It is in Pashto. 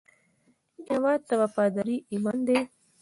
هیواد ته وفاداري ایمان دی